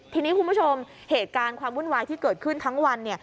ทีนี้คุณผู้ชมเหตุการณ์ความวุ่นวายที่เกิดขึ้นทั้งวัน